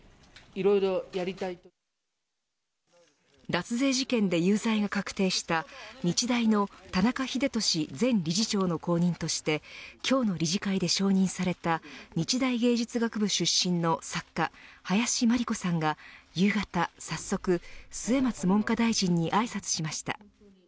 脱税事件で有罪が確定した日大の田中英寿前理事長の後任として今日の理事会で承認された日大芸術学部出身の作家林真理子さんが夕方、早速末松文科大臣にあいさつしました。